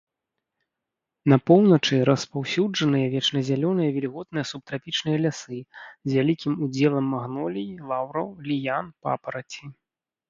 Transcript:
На поўначы распаўсюджаныя вечназялёныя вільготныя субтрапічныя лясы з вялікім удзелам магнолій, лаўраў, ліян, папараці.